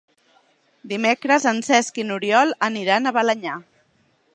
Dimecres en Cesc i n'Oriol aniran a Balenyà.